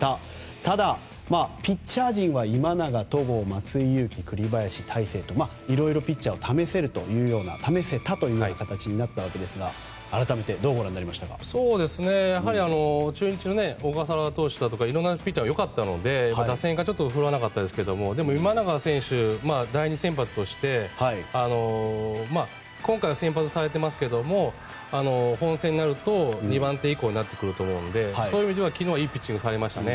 ただ、ピッチャー陣は今永、戸郷、松井裕樹栗林、大勢と色々ピッチャーを試せたという形になったわけですが中日の小笠原投手だとか色んなピッチャーがよかったので打線がちょっと振るわなかったですがでも、今永選手第２先発として今回は先発されていますが本戦になると２番手以降になってくると思うのでそういう意味では昨日はいいピッチングをされましたね。